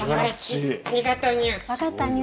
ありがとうにゅ。